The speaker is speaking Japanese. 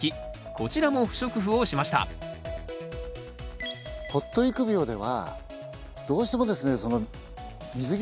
こちらも不織布をしましたポット育苗ではどうしてもですね水切れを起こしてしまうんです。